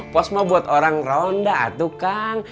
pos mau buat orang ronda tuh kang